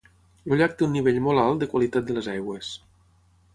El llac té un nivell molt alt de qualitat de les aigües.